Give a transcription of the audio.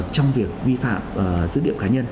trong việc vi phạm dữ liệu cá nhân